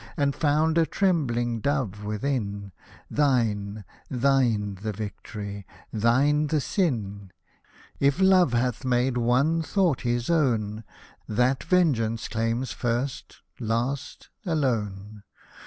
And found a trembling dove within ;— Thine, thine the victory — thine the sin — If Love hath made one thought his own, That Vengeance claims first — last — alone